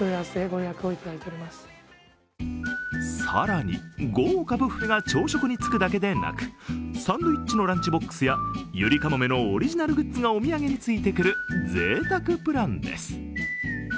更に、豪華ビュッフェが朝食につくだけでなくサンドイッチのランチボックスやゆりかもめのオリジナルグッズがお土産についてくるぜいたくプランです。